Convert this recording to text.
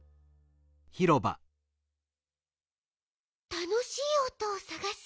たのしいおとをさがす？